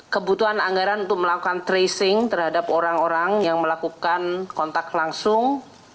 kebutuhan anggaran untuk melakukan tracing terhadap orang orang yang melakukan kontak langsung